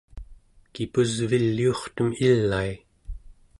kipusviliurtem ilai